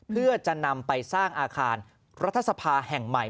เพื่อจะนำไปสร้างอาคารรัฐสภาแห่งใหม่